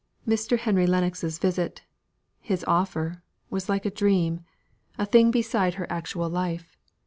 Mr. Henry Lennox's visit his offer was like a dream, a thing beside her actual life.